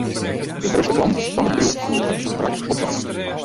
De grutste klant fan it bedriuw hat it kontrakt opsein.